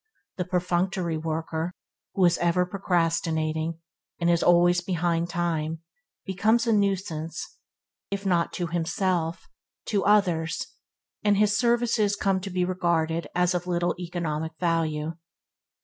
The perfunctory worker, who is ever procrastinating, and is always behind time, becomes a nuisance, if not go himself, to others, and his services come to be regarded as of little economic value.